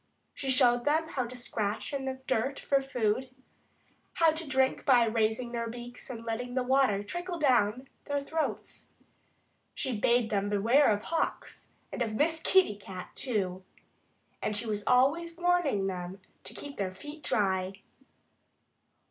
She showed them how to scratch in the dirt for food, how to drink by raising their heads and letting the water trickle down their throats. She bade them beware of hawks and of Miss Kitty Cat, too. And she was always warning them to keep their feet dry.